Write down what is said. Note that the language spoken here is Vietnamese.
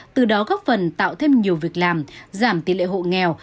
từ đó góp phần tạo thêm nhiều việc làm giảm tỷ lệ hộ nghèo